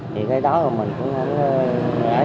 thì cái đó mình cũng không ngại